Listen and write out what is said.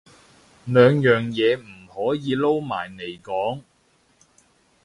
兩樣嘢唔可以撈埋嚟講